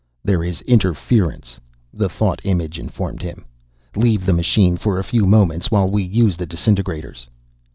"There is interference," the thought image informed him. "Leave the machine for a few moments, while we use the disintegrators."